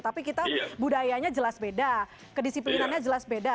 tapi kita budayanya jelas beda kedisiplinannya jelas beda